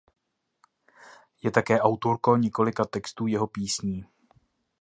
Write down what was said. Je také autorkou několika textů jeho písní.